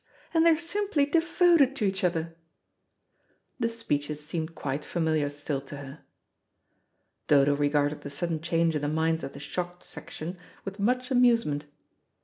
And they are simply devoted to each other." The speeches seemed quite familiar still to her. Dodo regarded the sudden change in the minds of the "shocked section" with much amusement.